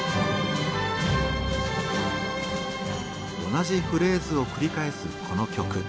同じフレーズを繰り返すこの曲。